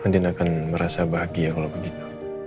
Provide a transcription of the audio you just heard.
andin akan merasa bahagia kalau begitu